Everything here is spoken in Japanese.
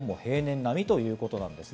北日本も平年並みということです。